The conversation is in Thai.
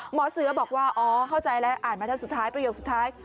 หมอเสือบอกว่าอ๋อเข้าใจแล้วอ่านมาท่านสุดท้ายประโยคสุดท้าย